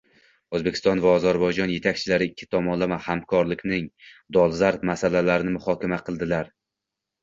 O‘zbekiston va Ozarbayjon yetakchilari ikki tomonlama hamkorlikning dolzarb masalalarini muhokama qildilarng